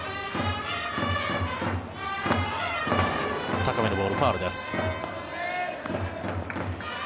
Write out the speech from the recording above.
高めのボールファウルです。